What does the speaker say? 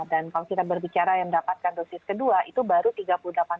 dan kalau kita berbicara yang mendapatkan dosis kedua itu baru tiga puluh delapan persen